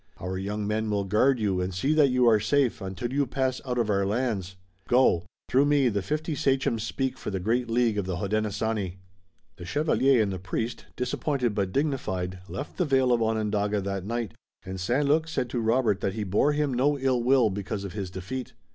Our young men will guard you and see that you are safe, until you pass out of our lands. Go! Through me the fifty sachems speak for the great League of the Hodenosaunee." The chevalier and the priest, disappointed but dignified, left the vale of Onondaga that night, and St. Luc said to Robert that he bore him no ill will because of his defeat.